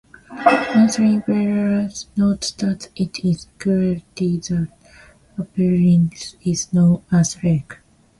Anthony Birley notes that it is curious that Apellinus is known as leg.